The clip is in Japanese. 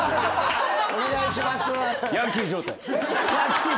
お願いします。